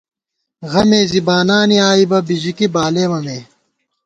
غمےزی بانانے آئی بہ ، بِژِکی بالېمہ مے